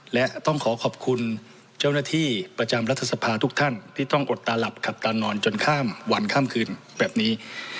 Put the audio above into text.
และต้องขอขอบคุณเจ้าหน้าที่ประจำรัฐสภาทุกท่านที่ต้องอดตาหลับขับตานอนจนข้ามวันข้ามคืนแบบนี้